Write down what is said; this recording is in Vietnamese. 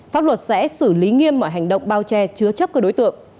pháp luật sẽ xử lý nghiêm mọi hành động bao che chứa chấp các đối tượng